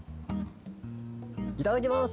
いただきます！